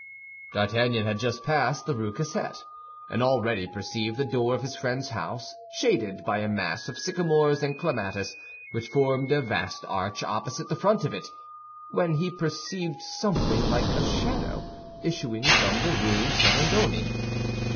D'Artagnan had just passed the Rue Cassette, and already perceived the door of his friend's house, shaded by a mass of sycamores and clematis which formed a vast arch opposite the front of it, when he perceived something like a shadow issuing from the Rue Servandoni.